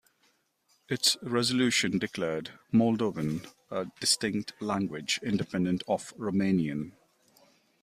Its resolution declared Moldovan a distinct language independent of Romanian.